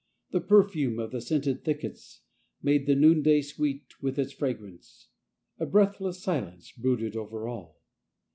The perfume of the scented thickets made the noonday sweet with its fragrance; a breath less silence brooded over all.